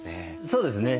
そうですね。